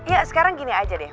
ya sekarang gini aja deh